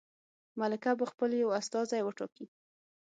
ملکه به خپل یو استازی وټاکي.